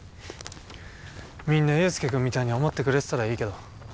みんな悠輔君みたいに思ってくれてたらいいけど。